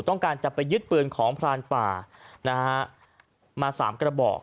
ต้องการจะไปยึดปืนของพรานป่านะฮะมาสามกระบอก